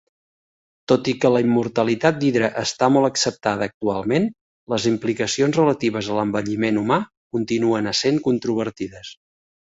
Tot i que la immortalitat d' "Hydra" està molt acceptada actualment, les implicacions relatives a l'envelliment humà continuen essent controvertides.